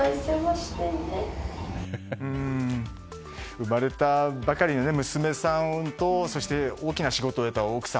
生まれたばかりの娘さんとそして大きな仕事を終えた奥様